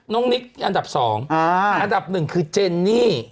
น้องนิคอันดับ๒อันดับ๑คือเจนนี่